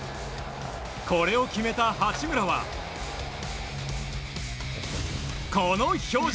これを決めた八村はこの表情！